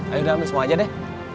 ayo ambil semua aja deh